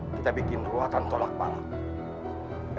kita bikin ruatan tolak balap